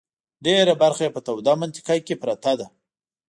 ډېره برخه یې په توده منطقه کې پرته ده.